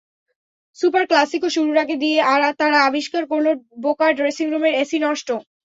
Super clasico শুরুর আগে দিয়ে তারা আবিষ্কার করল, বোকার ড্রেসিংরুমের এসি নষ্ট।